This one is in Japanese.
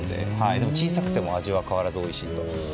でも、小さくても味は変わらずおいしいそうです。